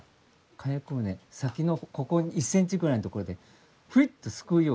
火薬をね先の１ｃｍぐらいのところでふいっとすくうように。